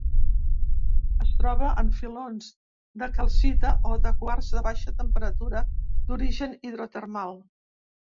Es troba en filons de calcita o de quars de baixa temperatura, d'origen hidrotermal.